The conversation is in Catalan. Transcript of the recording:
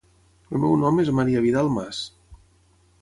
El meu nom és Maria Vidal Mas.